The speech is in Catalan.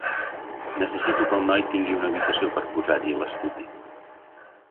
Necessito que el noi tingui una habitació per posar-hi l'estudi.